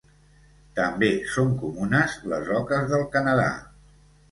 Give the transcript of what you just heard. També són comunes les oques del Canadà.